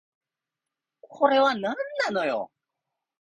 これはなんなのよ